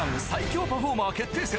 最強パフォーマー決定